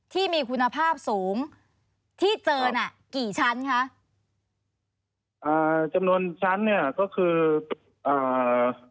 ที่มีคุณภาพสูงที่เจอน่ะกี่ชั้นคะอ่าจำนวนชั้นเนี้ยก็คืออ่า